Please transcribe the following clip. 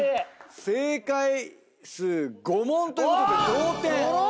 正解数５問ということで同点。